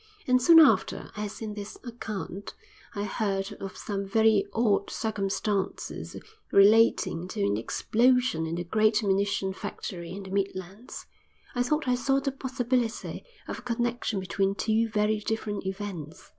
And soon after I had seen this account, I heard of some very odd circumstances relating to an explosion in a great munition factory in the Midlands. I thought I saw the possibility of a connection between two very different events.